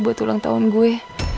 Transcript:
buat ulang tahun gue